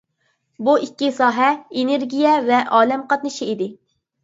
بۇ ئىككى ساھە: ئېنېرگىيە ۋە ئالەم قاتنىشى ئىدى.